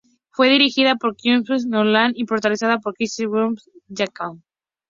Fue dirigida por Christopher Nolan y protagonizada por Christian Bale y Hugh Jackman.